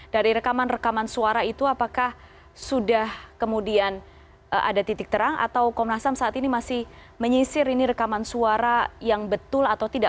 dari rekaman rekaman suara itu apakah sudah kemudian ada titik terang atau komnas ham saat ini masih menyisir ini rekaman suara yang betul atau tidak